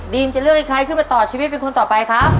จะเลือกให้ใครขึ้นมาต่อชีวิตเป็นคนต่อไปครับ